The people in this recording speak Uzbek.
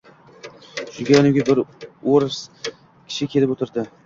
Shunda yonimga bir o’ris kishi kelib o’tirdi.